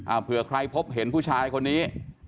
เผื่อใครพบเห็นผู้ชายคนนี้